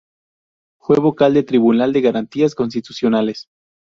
Fue vocal del Tribunal de Garantías Constitucionales.